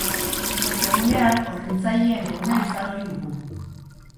Ostegunean, hornitzaileen eguna izan ohi dugu.